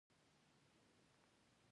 د تراکتورونو کرایه ارزانه ده